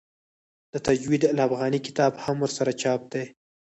د تجوید الافغاني کتاب هم ورسره چاپ دی.